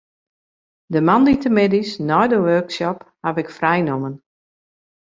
De moandeitemiddeis nei de workshop haw ik frij nommen.